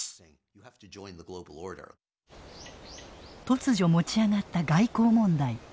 突如持ち上がった外交問題。